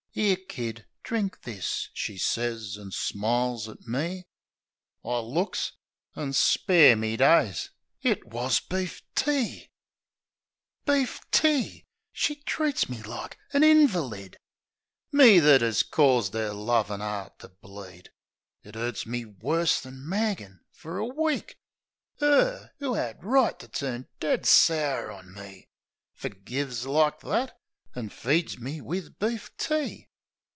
" 'Ere, Kid, drink this," she sez, an' smiles at me. I looks — an' spare me days ! It wus beef tea! BEEF TEA 89 Beef tea ! She treats me like a hinvaleed ! Me ! that 'as caused 'er lovin' 'eart to bleed. It 'urts me worse than maggin' fer a week! 'Er ! 'do 'ad right to turn dead sour on me, Fergives like that, an' feeds me wif beef tea